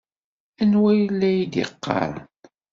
Anwa ay la iyi-d-yeɣɣaren?